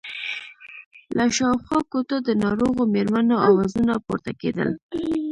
له شاوخوا کوټو د ناروغو مېرمنو آوازونه پورته کېدل.